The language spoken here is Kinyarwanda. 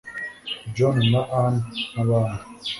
john na ann nkabandi